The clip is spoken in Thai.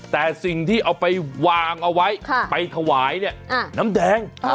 แต่สิ่งที่เอาไปวางเอาไว้ไปถวายเนี่ยน้ำแดง